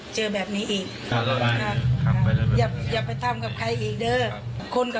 ตลอดไปครับตลอดไปเลยนะ